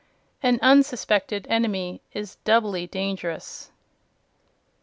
An unsuspected enemy is doubly dangerous.